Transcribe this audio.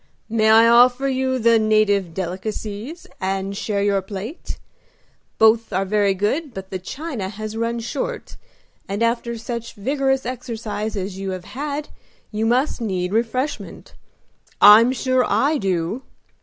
"May I offer you the native delicacies, and share your plate? Both are very good, but the china has run short, and after such vigorous exercise as you have had you must need refreshment. I'm sure I do!"